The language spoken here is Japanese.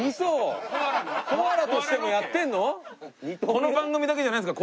この番組だけじゃないんですか？